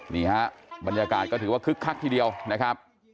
นี่ฮะบรรยากาศก็ถือว่าคึกคักทีเดียวนะครับ